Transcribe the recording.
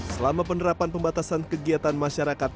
selama penerapan pembatasan kegiatan masyarakat